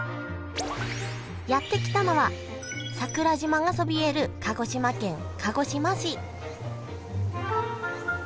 やって来たのは桜島がそびえる鹿児島県鹿児島市